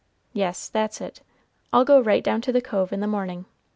Yes, that's it. I'll go right down to the cove in the morning.